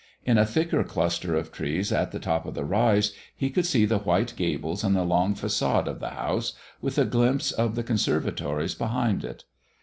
In a thicker cluster of trees at the top of the rise he could see the white gables and the long façade of the house, with a glimpse of the conservatories behind it.